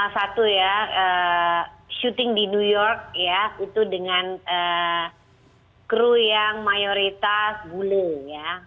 satu ya syuting di new york ya itu dengan kru yang mayoritas gulung ya